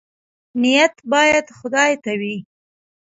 نیت باید خدای ته وي